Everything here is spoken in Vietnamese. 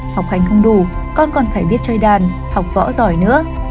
học hành không đủ con còn phải biết chơi đàn học võ giỏi nữa